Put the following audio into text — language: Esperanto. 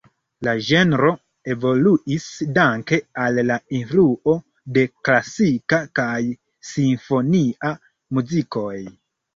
La ĝenro evoluis danke al la influo de klasika kaj simfonia muzikoj.